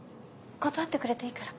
断ってくれていいから。